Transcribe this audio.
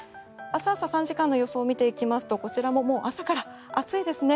明日朝３時間の予想を見ていきますとこちらも朝から暑いですね。